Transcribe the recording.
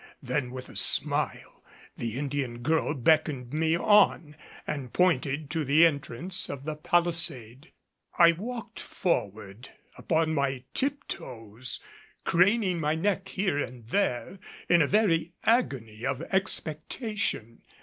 Then with a smile the Indian girl beckoned me on and pointed to the entrance of the palisade. I walked forward upon my tip toes and craning my neck here and there in a very agony of expectation.